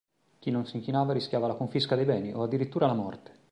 Chi non s'inchinava rischiava la confisca dei beni o addirittura la morte.